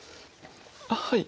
あっはい。